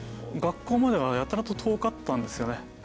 学校までがやたらと遠かったんですよね。